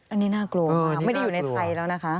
อันนี้น่ากลัวมากไม่ได้อยู่ในไทยแล้วนะคะ